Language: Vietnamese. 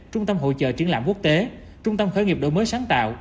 trung tâm hỗ trợ triển lãm quốc tế trung tâm khởi nghiệp đổi mới sáng tạo